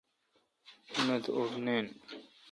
انیت اوپ نین۔